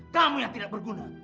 kamu yang tidak berguna